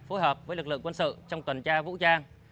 phối hợp với lực lượng quân sự trong tuần tra vũ trang